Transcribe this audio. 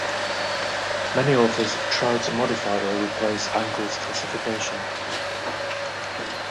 Many authors have tried to modify or replace Angle's classification.